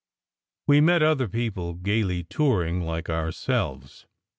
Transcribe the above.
We met other people gayly touring like ourselves.